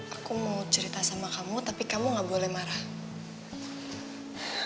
aku mau cerita sama kamu tapi kamu gak boleh marah